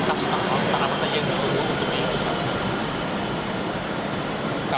kasus kasus besar apa saja yang ditunggu untuk diinginkan